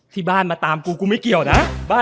ที่บ้านมาตามกูกูไม่เกี่ยวนะ